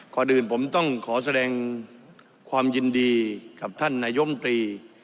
ก่อนอื่นผมต้องขอแสดงความยินดีกับท่านนายมตรี